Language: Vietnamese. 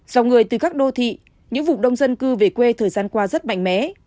dòng người từ các đô thị những vùng đông dân cư về quê thời gian qua rất mạnh mẽ